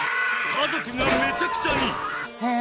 家族がめちゃくちゃに